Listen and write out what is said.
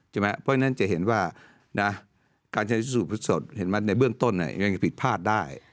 เพราะฉะนั้นจะเห็นว่าการใช้สูจนเห็นไหมในเบื้องต้นยังผิดพลาดได้